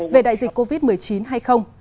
về đại dịch covid một mươi chín hay không